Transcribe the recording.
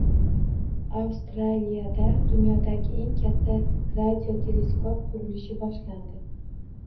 Avstraliyada dunyodagi eng katta radioteleskop qurilishi boshlandi